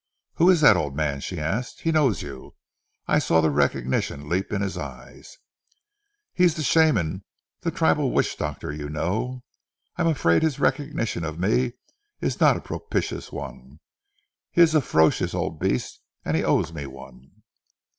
"Who is that old man?" she asked. "He knows you. I saw the recognition leap in his eyes." "He is the Shaman the tribal witch doctor, you know. I am afraid his recognition of me is not a propitious one. He is a ferocious old beast, and he owes me one."